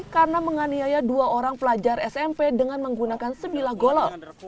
karena menganiaya dua orang pelajar smp dengan menggunakan sebilah golok